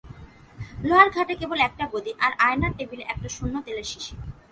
লোহার খাটে কেবল একটা গদি, আর আয়নার টেবিলে একটা শূন্য তেলের শিশি।